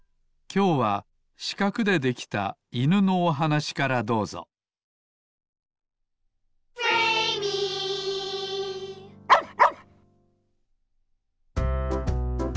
きょうはしかくでできたいぬのおはなしからどうぞワンワン！